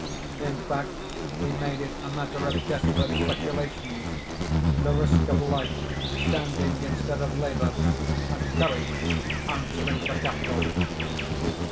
In fact, we made it a matter of desperate speculation—the risk of life standing instead of labor, and courage answering for capital.